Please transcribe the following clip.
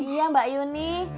iya mbak yuni